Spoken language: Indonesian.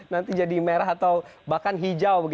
nanti jadi merah atau bahkan hijau